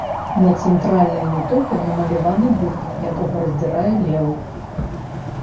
На цэнтральнай метопе намаляваны бык, якога раздзірае леў.